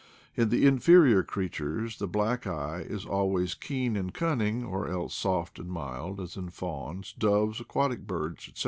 In the inferior creatures the black eye is always keen and cunning or else soft and mild, as in fawns, doves, aquatic birds, etc.